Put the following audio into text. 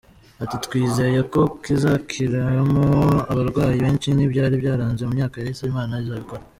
Ati “ Twizeye ko kizakiriramo abarwayi benshi n’ibyari byaranze mu myaka yahise Imana izabikora.